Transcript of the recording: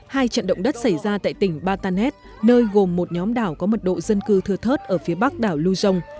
hai trận động đất xảy ra tại tỉnh batanet nơi gồm một nhóm đảo có mật độ dân cư thừa thớt ở phía bắc đảo luzon